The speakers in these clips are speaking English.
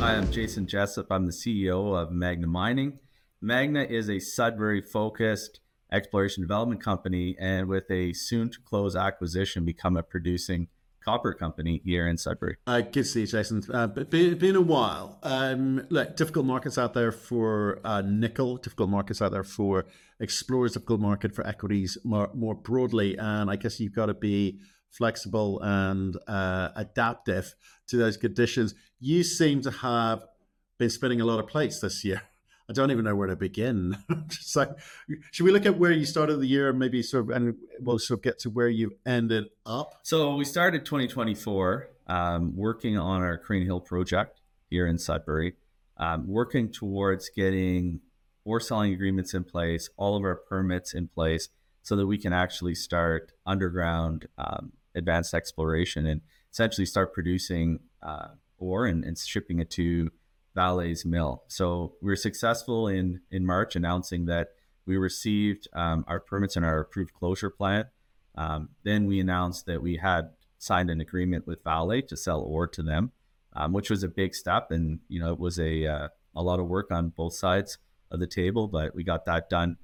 I am Jason Jessup. I'm the CEO of Magna Mining. Magna is a Sudbury-focused exploration development company, and with a soon-to-close acquisition, become a producing copper company here in Sudbury. Good to see you, Jason. Been a while. Difficult markets out there for nickel, difficult markets out there for explorers, difficult market for equities more broadly, and I guess you've got to be flexible and adaptive to those conditions. You seem to have been spinning a lot of plates this year. I don't even know where to begin. Should we look at where you started the year and maybe sort of, and we'll sort of get to where you ended up? We started 2024 working on our Crean Hill project here in Sudbury, working towards getting ore selling agreements in place, all of our permits in place so that we can actually start underground advanced exploration and essentially start producing ore and shipping it to Vale's mill. We were successful in March announcing that we received our permits and our approved closure plan. Then we announced that we had signed an agreement with Vale to sell ore to them, which was a big step. It was a lot of work on both sides of the table, but we got that done.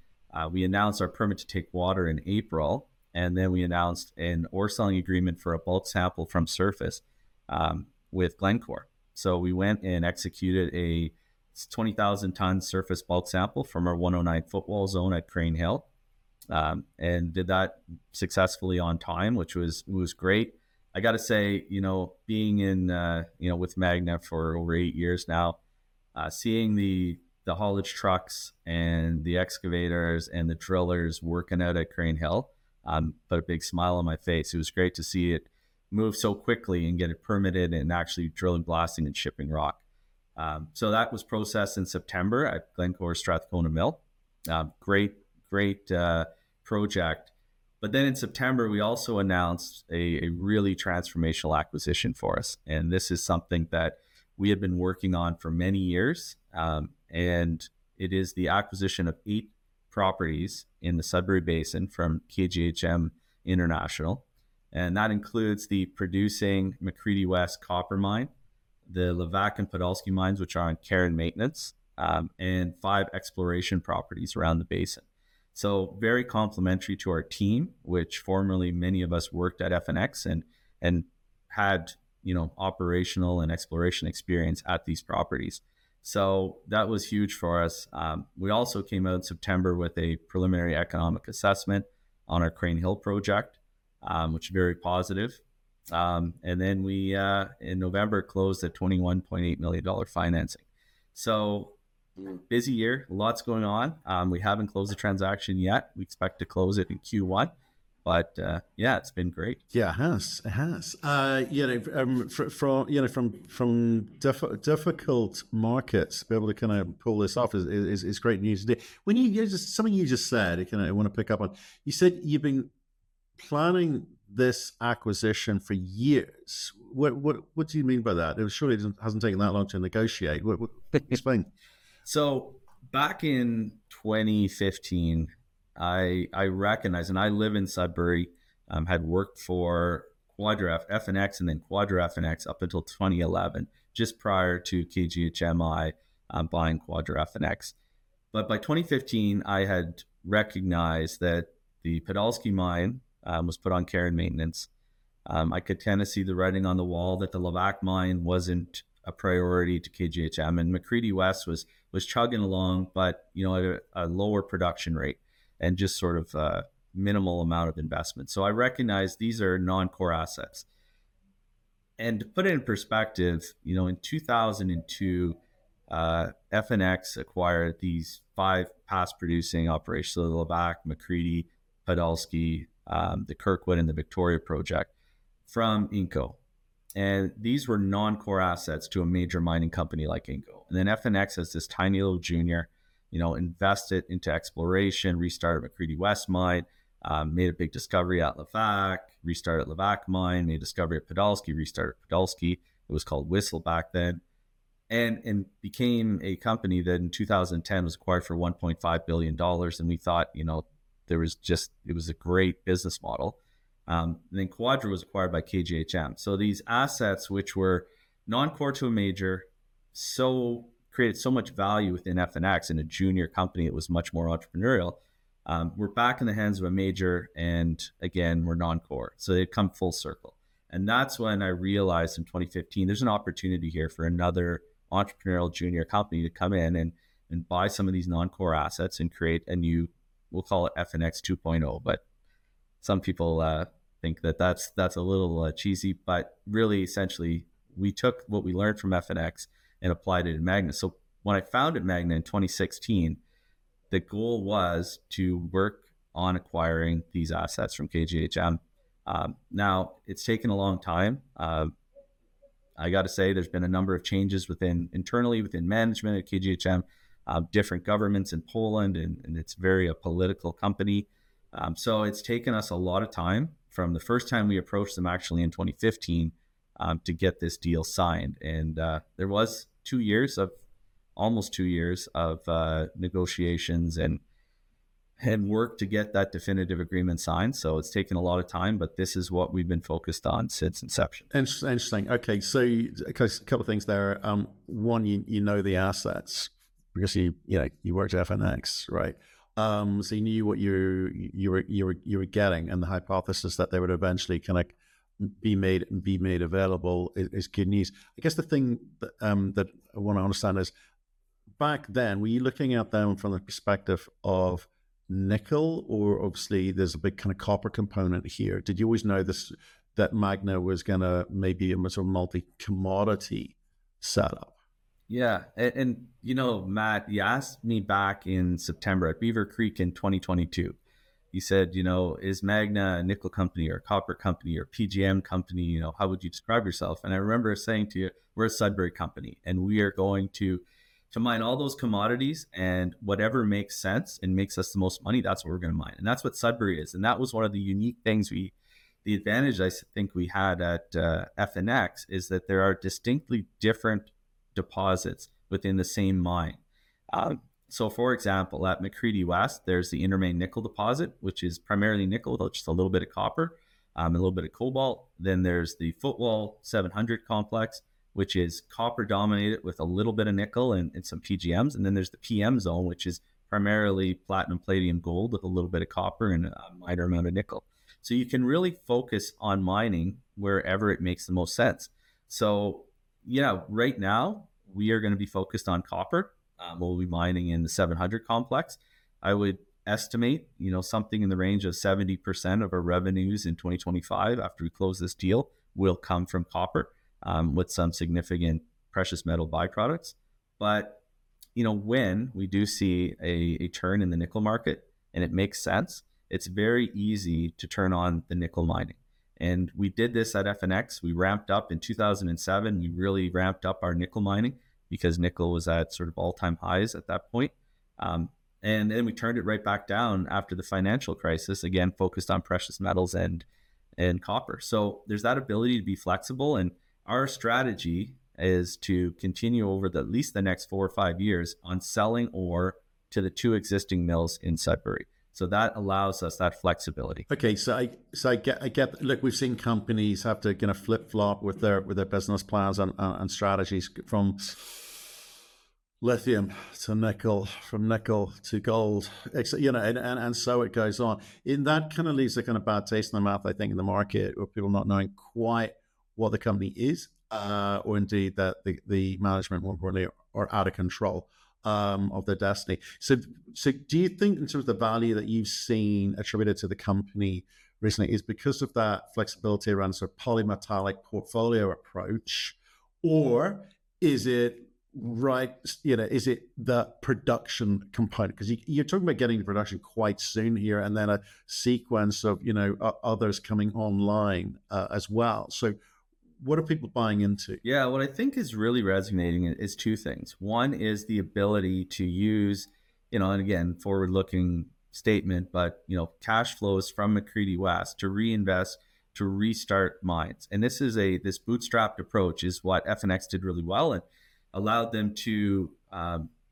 We announced our permit to take water in April, and then we announced an ore selling agreement for a bulk sample from surface with Glencore. We went and executed a 20,000-ton surface bulk sample from our 109 Footwall Zone at Crean Hill and did that successfully on time, which was great. I got to say, being with Magna for over eight years now, seeing the haulage trucks and the excavators and the drillers working out at Crean Hill put a big smile on my face. It was great to see it move so quickly and get it permitted and actually drilling, blasting, and shipping rock. That was processed in September at Glencore Strathcona Mill. Great, great project. In September, we also announced a really transformational acquisition for us. This is something that we have been working on for many years. It is the acquisition of eight properties in the Sudbury Basin from KGHM International. And that includes the producing McCreedy West Copper Mine, the Levack and Podolsky Mines, which are in care and maintenance, and five exploration properties around the basin. So very complementary to our team, which formerly many of us worked at FNX and had operational and exploration experience at these properties. So that was huge for us. We also came out in September with a preliminary economic assessment on our Crean Hill project, which is very positive. And then we, in November, closed at 21.8 million dollar financing. So busy year, lots going on. We haven't closed the transaction yet. We expect to close it in Q1. But yeah, it's been great. Yeah, it has. It has. From difficult markets, to be able to kind of pull this off is great news. When you just, something you just said, I want to pick up on, you said you've been planning this acquisition for years. What do you mean by that? It surely hasn't taken that long to negotiate. Explain. Back in 2015, I recognized, and I live in Sudbury, had worked for Quadra FNX and then Quadra FNX up until 2011, just prior to KGHM buying Quadra FNX. By 2015, I had recognized that the Podolsky mine was put on care and maintenance. I could kind of see the writing on the wall that the Levack mine wasn't a priority to KGHM. McCreedy West was chugging along, but at a lower production rate and just sort of minimal amount of investment. I recognized these are non-core assets. To put it in perspective, in 2002, FNX acquired these five past producing operations, so the Levack, McCreedy, Podolsky, the Kirkwood, and the Victoria project from Inco. These were non-core assets to a major mining company like Inco. And then FNX has this tiny little junior, invested into exploration, restarted McCreedy West mine, made a big discovery at Levack, restarted Levack mine, made a discovery at Podolsky, restarted Podolsky. It was called Whistle back then. And became a company that in 2010 was acquired for $1.5 billion. And we thought there was just, it was a great business model. And then Quadra was acquired by KGHM. So these assets, which were non-core to a major, created so much value within FNX in a junior company that was much more entrepreneurial, were back in the hands of a major. And again, were non-core. So they'd come full circle. And that's when I realized in 2015, there's an opportunity here for another entrepreneurial junior company to come in and buy some of these non-core assets and create a new, we'll call it FNX 2.0. Some people think that that's a little cheesy. Really, essentially, we took what we learned from FNX and applied it in Magna. When I founded Magna in 2016, the goal was to work on acquiring these assets from KGHM. Now, it's taken a long time. I got to say, there's been a number of changes internally within management at KGHM, different governments in Poland, and it's a very political company. It's taken us a lot of time from the first time we approached them, actually in 2015, to get this deal signed. There was two years of, almost two years of negotiations and work to get that definitive agreement signed. It's taken a lot of time, but this is what we've been focused on since inception. Interesting. Okay, so a couple of things there. One, you know the assets. Obviously, you worked at FNX, right? So you knew what you were getting, and the hypothesis that they would eventually kind of be made available is good news. I guess the thing that I want to understand is, back then, were you looking at them from the perspective of nickel, or obviously, there's a big kind of copper component here. Did you always know that Magna was going to maybe a sort of multi-commodity setup? Yeah. And you know, Matt, you asked me back in September at Beaver Creek in 2022. You said, you know, is Magna a nickel company or a copper company or a PGM company? How would you describe yourself? And I remember saying to you, we're a Sudbury company. And we are going to mine all those commodities. And whatever makes sense and makes us the most money, that's what we're going to mine. And that's what Sudbury is. And that was one of the unique things. The advantage I think we had at FNX is that there are distinctly different deposits within the same mine. So for example, at McCreedy West, there's the Inter Main nickel deposit, which is primarily nickel, just a little bit of copper, a little bit of cobalt. Then there's the Footwall 700 Complex, which is copper dominated with a little bit of nickel and some PGMs. And then there's the PM Zone, which is primarily platinum, palladium, gold with a little bit of copper and a minor amount of nickel. So you can really focus on mining wherever it makes the most sense. So right now, we are going to be focused on copper. We'll be mining in the 700 Complex. I would estimate something in the range of 70% of our revenues in 2025 after we close this deal will come from copper with some significant precious metal byproducts. But when we do see a turn in the nickel market and it makes sense, it's very easy to turn on the nickel mining. And we did this at FNX. We ramped up in 2007. We really ramped up our nickel mining because nickel was at sort of all-time highs at that point. And then we turned it right back down after the financial crisis, again, focused on precious metals and copper. So there's that ability to be flexible. And our strategy is to continue over at least the next four or five years on selling ore to the two existing mills in Sudbury. So that allows us that flexibility. Okay, so I get, look, we've seen companies have to kind of flip-flop with their business plans and strategies from lithium to nickel, from nickel to gold, and so it goes on, and that kind of leaves a kind of bad taste in the mouth, I think, in the market, where people are not knowing quite what the company is or indeed that the management more broadly are out of control of their destiny, so do you think in terms of the value that you've seen attributed to the company recently, is because of that flexibility around sort of polymetallic portfolio approach, or is it the production component? Because you're talking about getting the production quite soon here and then a sequence of others coming online as well, so what are people buying into? Yeah, what I think is really resonating is two things. One is the ability to use, and again, forward-looking statement, but cash flows from McCreedy West to reinvest, to restart mines, and this bootstrapped approach is what FNX did really well and allowed them to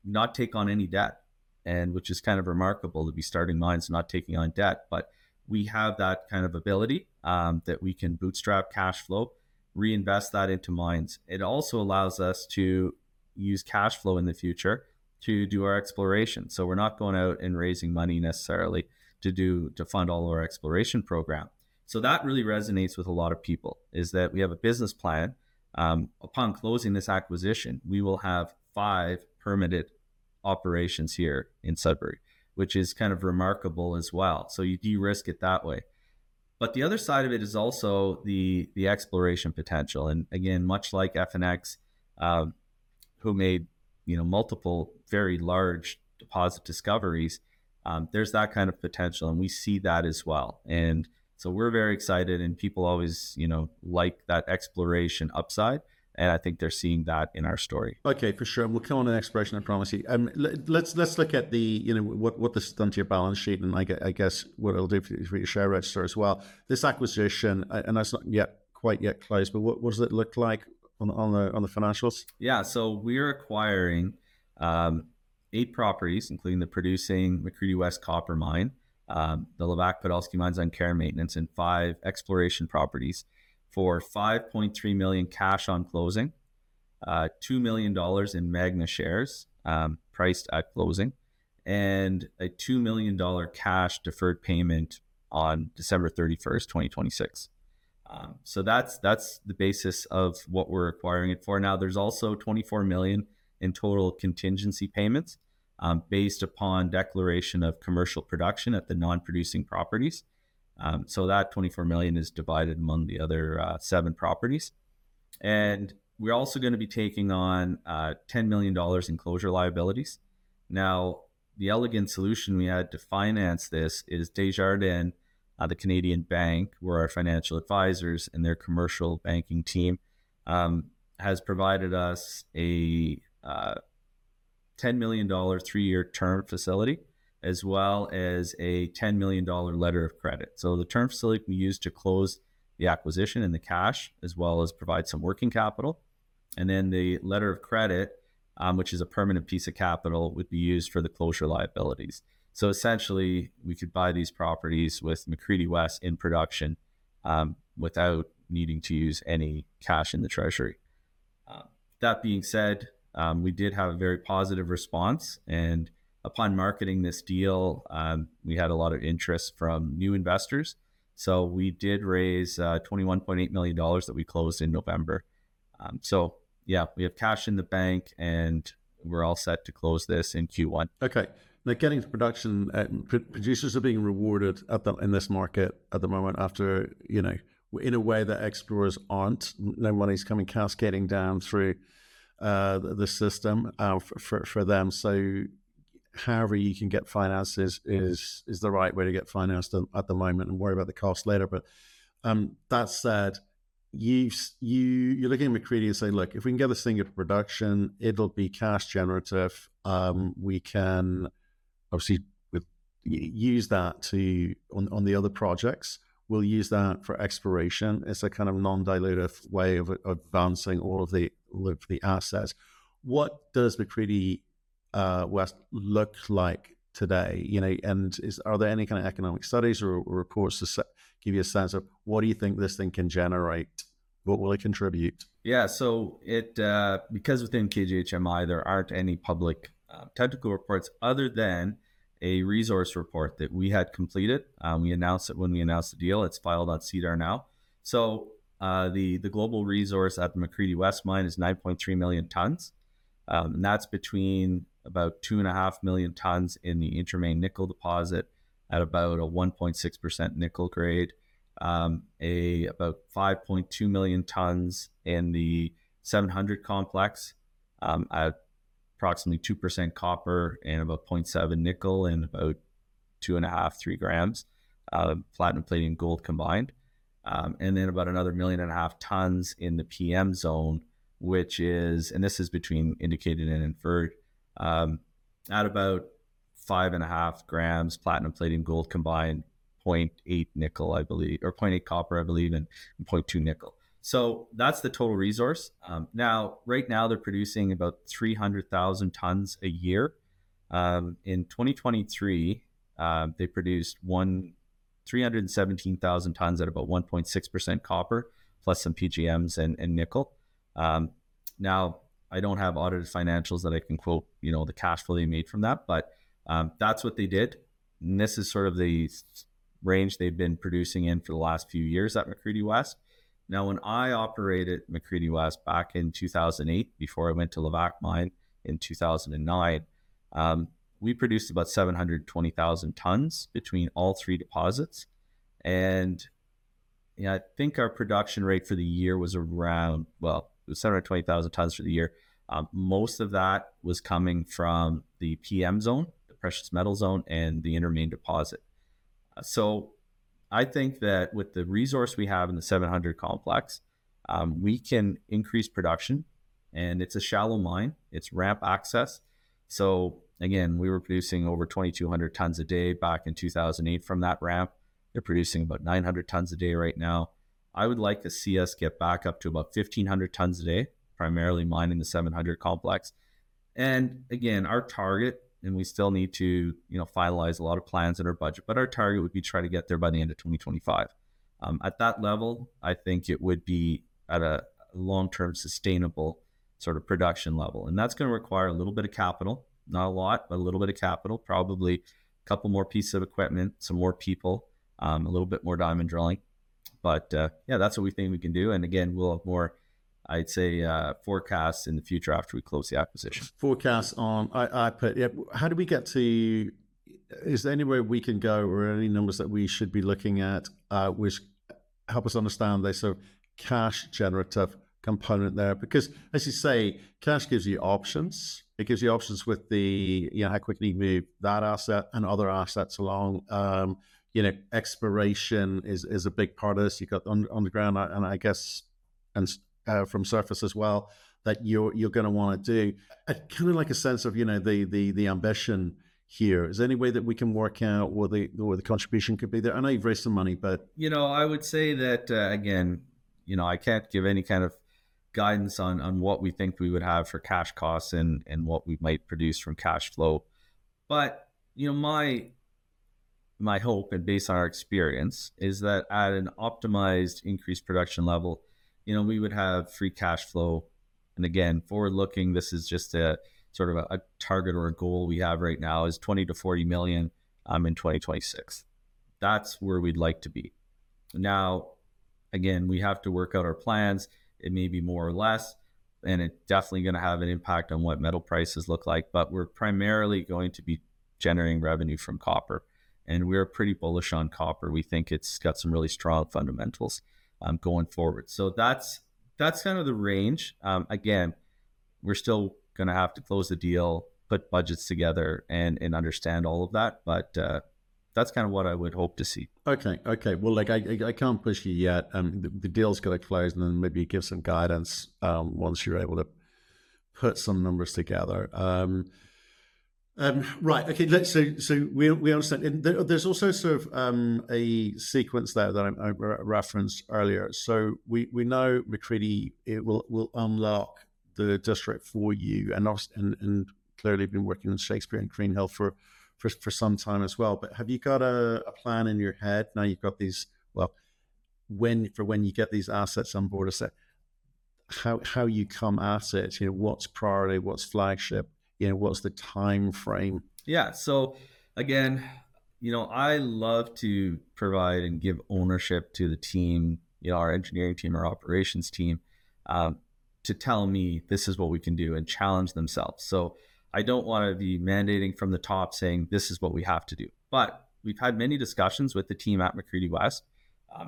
not take on any debt, which is kind of remarkable to be starting mines and not taking on debt, but we have that kind of ability that we can bootstrap cash flow, reinvest that into mines. It also allows us to use cash flow in the future to do our exploration, so we're not going out and raising money necessarily to fund all of our exploration program, so that really resonates with a lot of people, is that we have a business plan. Upon closing this acquisition, we will have five permitted operations here in Sudbury, which is kind of remarkable as well. So you de-risk it that way. But the other side of it is also the exploration potential. And again, much like FNX, who made multiple very large deposit discoveries, there's that kind of potential. And we see that as well. And so we're very excited. And people always like that exploration upside. And I think they're seeing that in our story. Okay, for sure. And we'll come on an exploration, I promise you. Let's look at what this has done to your balance sheet. And I guess what it'll do for your share register as well. This acquisition, and that's not quite yet closed, but what does it look like on the financials? Yeah, so we are acquiring eight properties, including the producing McCreedy West Copper Mine, the Levack Podolsky Mines on care and maintenance, and five exploration properties for 5.3 million cash on closing, 2 million dollars in Magna shares priced at closing, and a 2 million dollar cash deferred payment on December 31st, 2026. So that's the basis of what we're acquiring it for. Now, there's also 24 million in total contingency payments based upon declaration of commercial production at the non-producing properties. So that 24 million is divided among the other seven properties. And we're also going to be taking on 10 million dollars in closure liabilities. Now, the elegant solution we had to finance this is Desjardins, the Canadian Bank, where our financial advisors and their commercial banking team has provided us a 10 million dollar three-year term facility, as well as a 10 million dollar letter of credit. The term facility can be used to close the acquisition and the cash, as well as provide some working capital. And then the letter of credit, which is a permanent piece of capital, would be used for the closure liabilities. Essentially, we could buy these properties with McCreedy West in production without needing to use any cash in the treasury. That being said, we did have a very positive response. And upon marketing this deal, we had a lot of interest from new investors. So we did raise 21.8 million dollars that we closed in November. Yeah, we have cash in the bank, and we're all set to close this in Q1. Okay. Now, getting to production, producers are being rewarded in this market at the moment in a way that explorers aren't. No money's coming cascading down through the system for them. So however you can get financed is the right way to get financed at the moment and worry about the cost later. But that said, you're looking at McCreedy and say, look, if we can get this thing into production, it'll be cash generative. We can obviously use that on the other projects. We'll use that for exploration as a kind of non-dilutive way of advancing all of the assets. What does McCreedy West look like today? And are there any kind of economic studies or reports to give you a sense of what do you think this thing can generate? What will it contribute? Yeah, so because within KGHM International, there aren't any public technical reports other than a resource report that we had completed. We announced it when we announced the deal. It's filed on SEDAR now. So the global resource at the McCreedy West mine is 9.3 million tons. And that's between about 2.5 million tons in the Inter Main nickel deposit at about a 1.6% nickel grade, about 5.2 million tons in the 700 Complex, approximately 2% copper, and about 0.7 nickel and about 2.5, 3 grams, platinum, palladium, gold combined. And then about another 1.5 million tons in the PM Zone, which is, and this is between indicated and inferred, at about 5.5 grams, platinum, palladium, gold combined, 0.8 nickel, I believe, or 0.8 copper, I believe, and 0.2 nickel. So that's the total resource. Now, right now, they're producing about 300,000 tons a year. In 2023, they produced 317,000 tons at about 1.6% copper, plus some PGMs and nickel. Now, I don't have audited financials that I can quote the cash flow they made from that, but that's what they did. And this is sort of the range they've been producing in for the last few years at McCreedy West. Now, when I operated McCreedy West back in 2008, before I went to Levack mine in 2009, we produced about 720,000 tons between all three deposits. And I think our production rate for the year was around, well, it was 720,000 tons for the year. Most of that was coming from the PM Zone, the precious metal zone, and the Inter Main deposit. So I think that with the resource we have in the 700 Complex, we can increase production. And it's a shallow mine. It's ramp access. So again, we were producing over 2,200 tons a day back in 2008 from that ramp. They're producing about 900 tons a day right now. I would like to see us get back up to about 1,500 tons a day, primarily mining the 700 Complex. And again, our target, and we still need to finalize a lot of plans in our budget, but our target would be to try to get there by the end of 2025. At that level, I think it would be at a long-term sustainable sort of production level. And that's going to require a little bit of capital, not a lot, but a little bit of capital, probably a couple more pieces of equipment, some more people, a little bit more diamond drilling. But yeah, that's what we think we can do. Again, we'll have more, I'd say, forecasts in the future after we close the acquisition. Forecasts on the PEA. How do we get to, is there anywhere we can go or any numbers that we should be looking at which help us understand the sort of cash generative component there? Because as you say, cash gives you options. It gives you options with how quickly you move that asset and other assets along. Exploration is a big part of this. You've got underground, and I guess from surface as well, that you're going to want to do. Kind of like a sense of the ambition here. Is there any way that we can work out where the contribution could be there? I know you've raised some money, but. You know, I would say that, again, I can't give any kind of guidance on what we think we would have for cash costs and what we might produce from cash flow. But my hope, and based on our experience, is that at an optimized increased production level, we would have free cash flow. And again, forward-looking, this is just a sort of a target or a goal we have right now, is $20 million-$40 million in 2026. That's where we'd like to be. Now, again, we have to work out our plans. It may be more or less, and it's definitely going to have an impact on what metal prices look like. But we're primarily going to be generating revenue from copper. And we're pretty bullish on copper. We think it's got some really strong fundamentals going forward. So that's kind of the range. Again, we're still going to have to close the deal, put budgets together, and understand all of that. But that's kind of what I would hope to see. Okay. Okay. Well, I can't push you yet. The deal's going to close, and then maybe give some guidance once you're able to put some numbers together. Right. Okay. So we understand. There's also sort of a sequence there that I referenced earlier. So we know McCreedy will unlock the district for you. And clearly, you've been working with Shakespeare and Crean Hill for some time as well. But have you got a plan in your head? Now, you've got these, well, for when you get these assets on board, how you come at it, what's priority, what's flagship, what's the time frame? Yeah. So again, I love to provide and give ownership to the team, our engineering team, our operations team, to tell me, "This is what we can do," and challenge themselves. So I don't want to be mandating from the top saying, "This is what we have to do." But we've had many discussions with the team at McCreedy West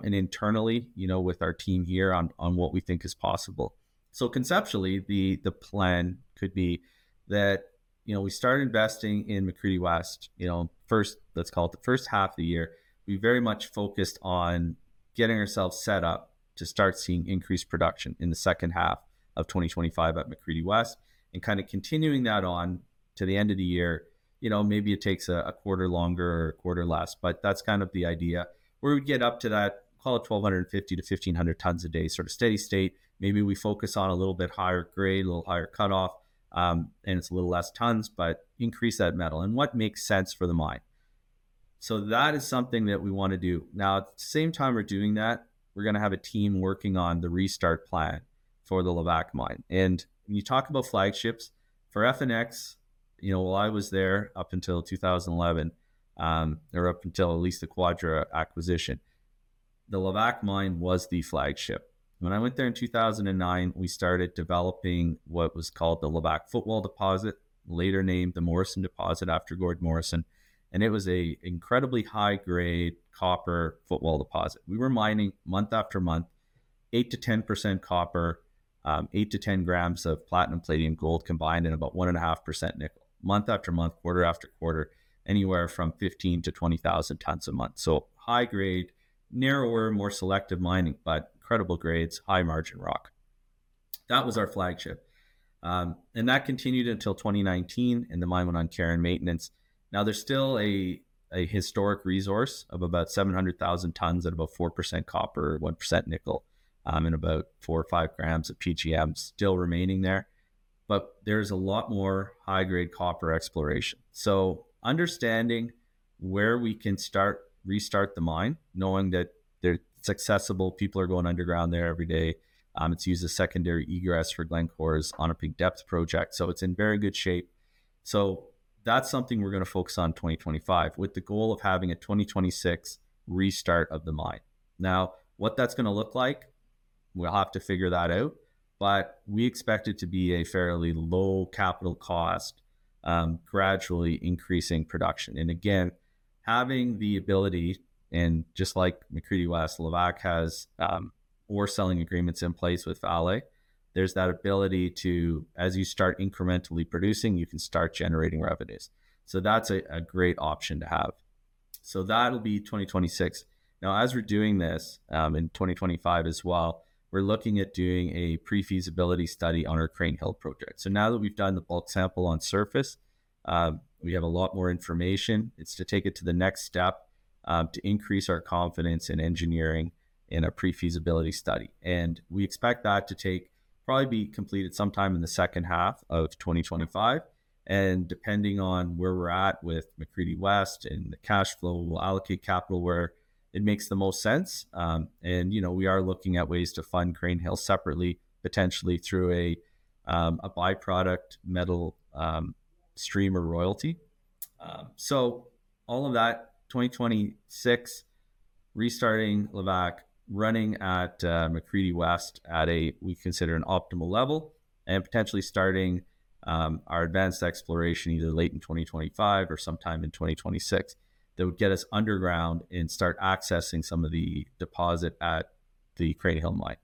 and internally with our team here on what we think is possible. So conceptually, the plan could be that we start investing in McCreedy West. First, let's call it the first half of the year. We very much focused on getting ourselves set up to start seeing increased production in the second half of 2025 at McCreedy West and kind of continuing that on to the end of the year. Maybe it takes a quarter longer or a quarter less, but that's kind of the idea. Where we get up to that, call it 1,250-1,500 tons a day, sort of steady state. Maybe we focus on a little bit higher grade, a little higher cutoff, and it's a little less tons, but increase that metal and what makes sense for the mine. So that is something that we want to do. Now, at the same time we're doing that, we're going to have a team working on the restart plan for the Levack mine. And when you talk about flagships, for FNX, while I was there up until 2011 or up until at least the Quadra acquisition, the Levack mine was the flagship. When I went there in 2009, we started developing what was called the Levack Footwall Deposit, later named the Morrison Deposit after Gord Morrison. And it was an incredibly high-grade copper footwall deposit. We were mining month after month, 8%-10% copper, 8-10 grams of platinum, palladium, gold combined, and about 1.5% nickel. Month after month, quarter after quarter, anywhere from 15-20,000 tons a month. So high-grade, narrower, more selective mining, but incredible grades, high-margin rock. That was our flagship. And that continued until 2019, and the mine went on care and maintenance. Now, there's still a historic resource of about 700,000 tons at about 4% copper, 1% nickel, and about four or five grams of PGMs still remaining there. But there's a lot more high-grade copper exploration. So understanding where we can restart the mine, knowing that it's accessible, people are going underground there every day. It's used as secondary egress for Glencore's Onaping Depth project. So it's in very good shape. So that's something we're going to focus on in 2025 with the goal of having a 2026 restart of the mine. Now, what that's going to look like, we'll have to figure that out. But we expect it to be a fairly low capital cost, gradually increasing production. And again, having the ability, and just like McCreedy West, Levack has ore selling agreements in place with Vale, there's that ability to, as you start incrementally producing, you can start generating revenues. So that's a great option to have. So that'll be 2026. Now, as we're doing this in 2025 as well, we're looking at doing a pre-feasibility study on our Crean Hill project. So now that we've done the bulk sample on surface, we have a lot more information. It's to take it to the next step to increase our confidence in engineering in a pre-feasibility study. We expect that to probably be completed sometime in the second half of 2025. Depending on where we're at with McCreedy West and the cash flow, we'll allocate capital where it makes the most sense. We are looking at ways to fund Crean Hill separately, potentially through a byproduct metal stream or royalty. All of that, 2026, restarting Levack, running at McCreedy West at a level we consider an optimal level, and potentially starting our advanced exploration either late in 2025 or sometime in 2026 that would get us underground and start accessing some of the deposit at the Crean Hill mine.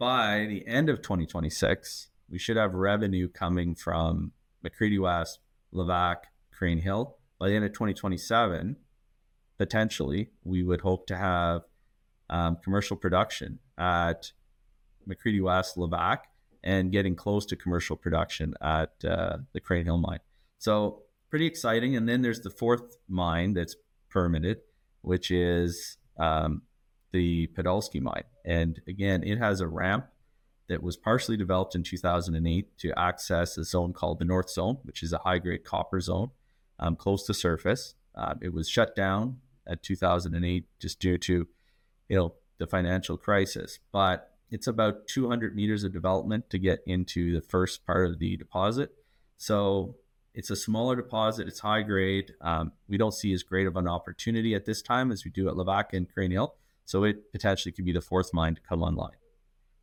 By the end of 2026, we should have revenue coming from McCreedy West, Levack, Crean Hill. By the end of 2027, potentially, we would hope to have commercial production at McCreedy West, Levack, and getting close to commercial production at the Crean Hill mine. So pretty exciting. And then there's the fourth mine that's permitted, which is the Podolsky mine. And again, it has a ramp that was partially developed in 2008 to access a zone called the North Zone, which is a high-grade copper zone close to surface. It was shut down in 2008 just due to the financial crisis. But it's about 200 meters of development to get into the first part of the deposit. So it's a smaller deposit. It's high-grade. We don't see as great of an opportunity at this time as we do at Levack and Crean Hill. So it potentially could be the fourth mine to come online.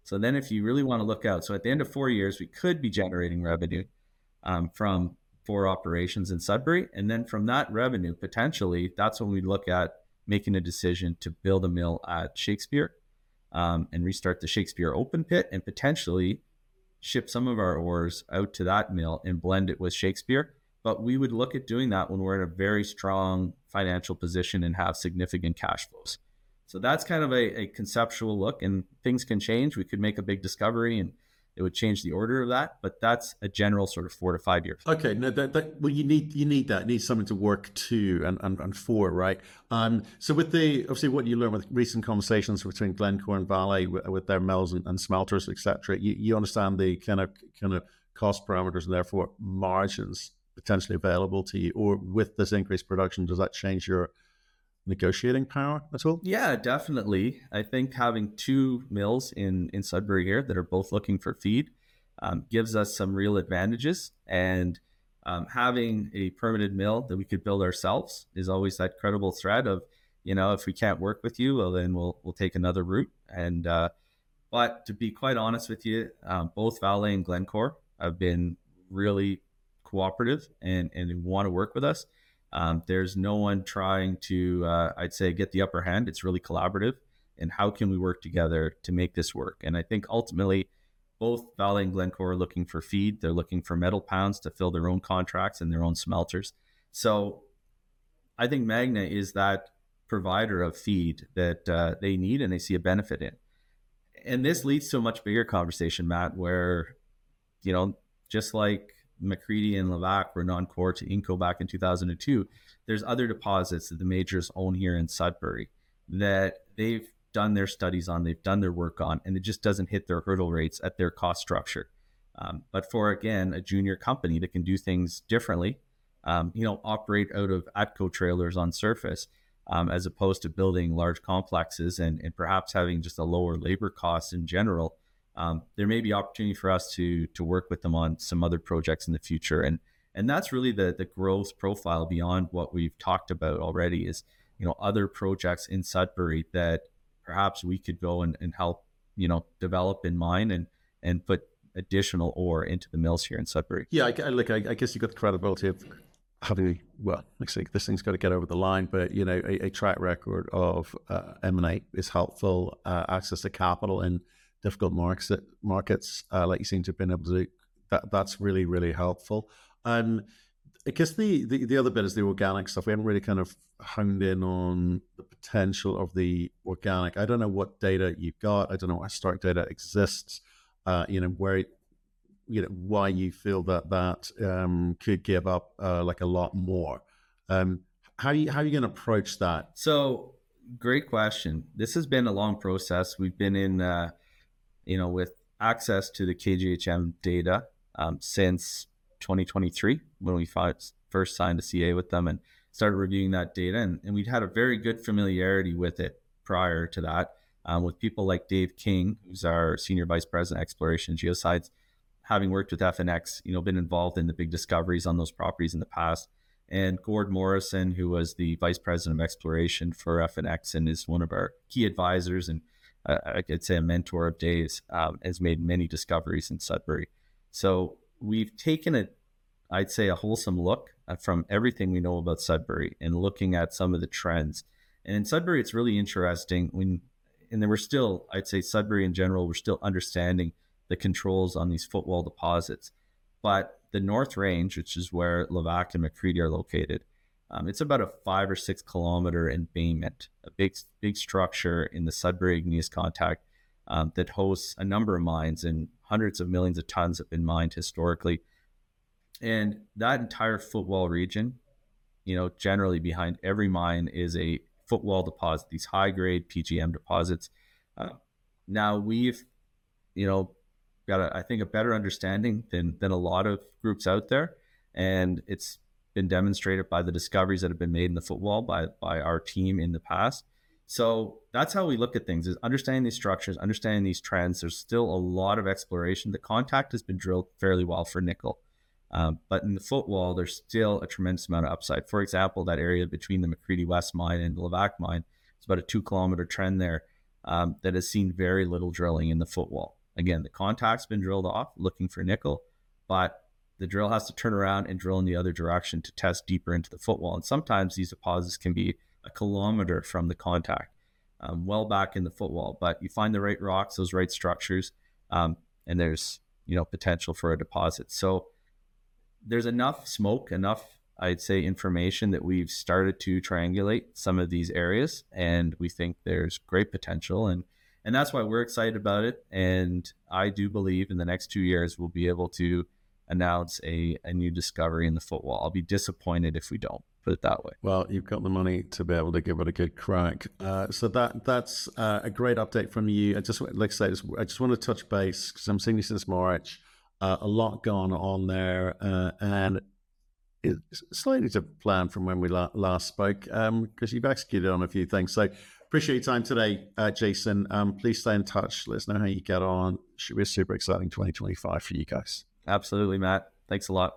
So then if you really want to look out, so at the end of four years, we could be generating revenue from four operations in Sudbury, and then from that revenue, potentially, that's when we'd look at making a decision to build a mill at Shakespeare and restart the Shakespeare open pit and potentially ship some of our ores out to that mill and blend it with Shakespeare. But we would look at doing that when we're in a very strong financial position and have significant cash flows, so that's kind of a conceptual look, and things can change. We could make a big discovery, and it would change the order of that, but that's a general sort of four to five years. Okay. You need that. You need something to work to and for, right? With the, obviously, what you learn with recent conversations between Glencore and Vale with their mills and smelters, etc., you understand the kind of cost parameters and therefore margins potentially available to you. With this increased production, does that change your negotiating power at all? Yeah, definitely. I think having two mills in Sudbury here that are both looking for feed gives us some real advantages. And having a permitted mill that we could build ourselves is always that credible threat of, you know, if we can't work with you, well, then we'll take another route. And but to be quite honest with you, both Vale and Glencore have been really cooperative and want to work with us. There's no one trying to, I'd say, get the upper hand. It's really collaborative. And how can we work together to make this work? And I think ultimately, both Vale and Glencore are looking for feed. They're looking for metal pounds to fill their own contracts and their own smelters. So I think Magna is that provider of feed that they need and they see a benefit in. And this leads to a much bigger conversation, Matt, where just like McCreedy and Levack were non-core to Inco back in 2002, there's other deposits that the majors own here in Sudbury that they've done their studies on, they've done their work on, and it just doesn't hit their hurdle rates at their cost structure. But for, again, a junior company that can do things differently, operate out of ATCO trailers on surface as opposed to building large complexes and perhaps having just a lower labor cost in general, there may be opportunity for us to work with them on some other projects in the future. And that's really the growth profile beyond what we've talked about already is other projects in Sudbury that perhaps we could go and help develop and mine and put additional ore into the mills here in Sudbury. Yeah. I guess you've got the credibility of having, well, this thing's got to get over the line, but a track record of M&A is helpful, access to capital in difficult markets like you seem to have been able to do. That's really, really helpful. I guess the other bit is the organic stuff. We haven't really kind of honed in on the potential of the organic. I don't know what data you've got. I don't know what historic data exists, why you feel that that could give up a lot more. How are you going to approach that? Great question. This has been a long process. We've been in with access to the KGHM data since 2023 when we first signed a CA with them and started reviewing that data. We'd had a very good familiarity with it prior to that with people like Dave King, who's our Senior Vice President, Exploration Geoscience, having worked with FNX, been involved in the big discoveries on those properties in the past. Gord Morrison, who was the Vice President of Exploration for FNX and is one of our key advisors and, I'd say, a mentor of Dave's, has made many discoveries in Sudbury. We've taken it, I'd say, a wholesome look from everything we know about Sudbury and looking at some of the trends. In Sudbury, it's really interesting. And then we're still. I'd say Sudbury in general, we're still understanding the controls on these footwall deposits. But the North Range, which is where Levack and McCreedy are located, it's about a five or six kilometer embankment, a big structure in the Sudbury Igneous Contact that hosts a number of mines and hundreds of millions of tons have been mined historically. And that entire footwall region, generally behind every mine is a footwall deposit, these high-grade PGM deposits. Now, we've got, I think, a better understanding than a lot of groups out there. And it's been demonstrated by the discoveries that have been made in the footwall by our team in the past. So that's how we look at things is understanding these structures, understanding these trends. There's still a lot of exploration. The contact has been drilled fairly well for nickel. But in the footwall, there's still a tremendous amount of upside. For example, that area between the McCreedy West mine and the Levack mine, it's about a two-kilometer trend there that has seen very little drilling in the footwall. Again, the contact's been drilled off looking for nickel, but the drill has to turn around and drill in the other direction to test deeper into the footwall. And sometimes these deposits can be a kilometer from the contact well back in the footwall. But you find the right rocks, those right structures, and there's potential for a deposit. So there's enough smoke, enough, I'd say, information that we've started to triangulate some of these areas. And we think there's great potential. And that's why we're excited about it. And I do believe in the next two years, we'll be able to announce a new discovery in the footwall. I'll be disappointed if we don't, put it that way. Well, you've got the money to be able to give it a good crack. So that's a great update from you. I just want to touch base because I'm seeing you since March. A lot going on there. And it's slightly different plan from when we last spoke because you've executed on a few things. So appreciate your time today, Jason. Please stay in touch. Let us know how you get on. It should be a super exciting 2025 for you guys. Absolutely, Matt. Thanks a lot.